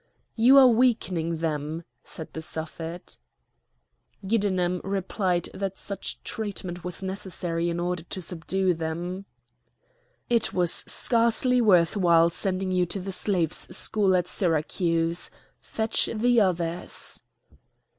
"You are weakening them!" said the Suffet. Giddenem replied that such treatment was necessary in order to subdue them. "It was scarcely worth while sending you to the slaves' school at Syracuse. Fetch the others!"